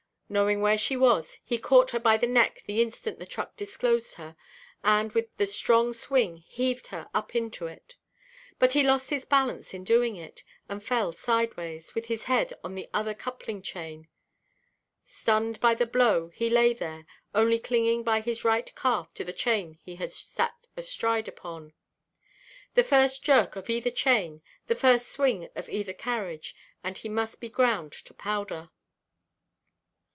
Knowing where she was, he caught her by the neck the instant the truck disclosed her, and, with a strong swing, heaved her up into it. But he lost his balance in doing it, and fell sideways, with his head on the other coupling–chain. Stunned by the blow, he lay there, only clinging by his right calf to the chain he had sat astride upon. The first jerk of either chain, the first swing of either carriage, and he must be ground to powder.